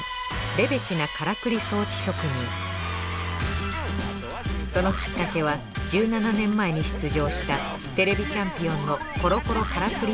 レベチなからくり装置職人そのきっかけは１７年前に出場した『ＴＶチャンピオン』のコロコロからくり